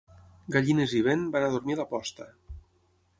Gallines i vent van a dormir a la posta.